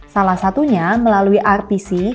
salah satunya melalui rtc